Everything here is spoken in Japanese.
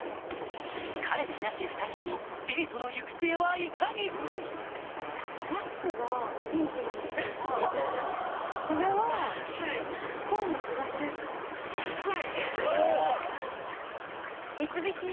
彼氏なし２人組デートの行く末はいかに⁉フフフはい。